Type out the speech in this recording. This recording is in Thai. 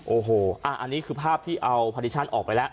โอ้โหอันนี้คือภาพที่เอาพาดิชั่นออกไปแล้ว